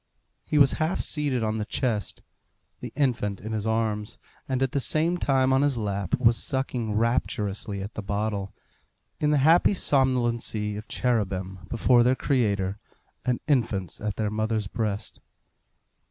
He was half seated on the chest. The infant in his arms, and at the same time on his lap, was sucking rapturously at the bottle, in the happy somnolency of cherubim before their Creator, and infants at their mothers' breast.